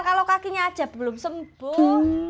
kalau kakinya aja belum sembuh